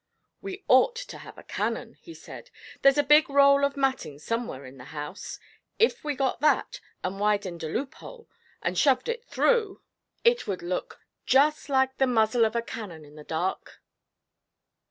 'We ought to have a cannon,' he said; 'there's a big roll of matting somewhere in the house. If we got that, and widened a loophole, and shoved it through, it would look just like the muzzle of a cannon in the dark.'